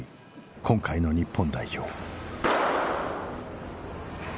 今回の日本代表。